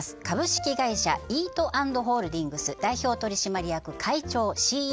株式会社イートアンドホールディングス代表取締役会長ＣＥＯ